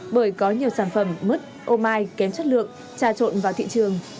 bởi có nhiều sản phẩm mứt ô mai kém chất lượng trà trộn vào thị trường